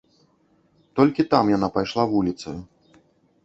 Толькі там яна пайшла вуліцаю.